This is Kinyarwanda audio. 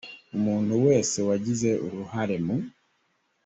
umuntu wese wagize uruhare mu